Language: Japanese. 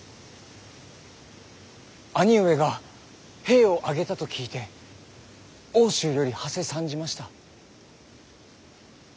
兄上が兵を挙げたと聞いて奥州よりはせ参じました。